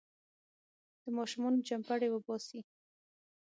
د ماشومانو چمبړې وباسي.